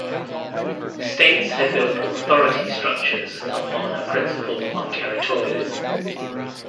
States had built authority structures upon a principle of territorialism.